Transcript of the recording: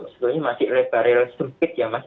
sebetulnya masih lebar rail sempit ya mas